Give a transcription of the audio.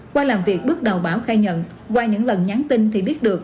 qua làm việc bước đầu bảo khai nhận qua những lần nhắn tin thì biết được